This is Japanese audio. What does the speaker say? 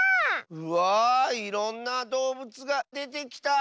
うわいろんなどうぶつがでてきた！